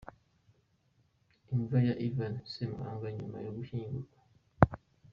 Imva ya Ivan Ssemwanga nyuma yo gushyingurwa.